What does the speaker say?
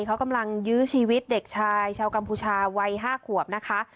เขากำลังยื้อชีวิตเด็กชายชาวกัมพูชาวัย๕ขวบนะคะ